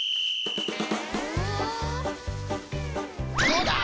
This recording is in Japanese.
どうだ！？